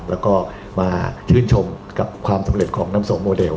แล้วก็มาชื่นชมกับความสำเร็จของน้ำสงโมเดล